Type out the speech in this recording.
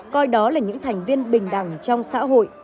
coi đó là những thành viên bình đẳng trong xã hội